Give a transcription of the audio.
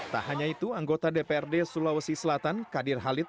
tak hanya itu anggota dprd sulawesi selatan kadir halid